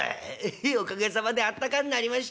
「ええおかげさまであったかになりました」。